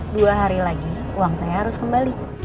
dua hari lagi uang saya harus kembali